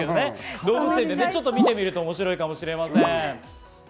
動物園で見てみると面白いかもしれません。